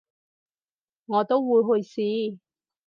我都會去試